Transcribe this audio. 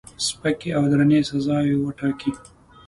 سپکې او درنې سزاوي وټاکي.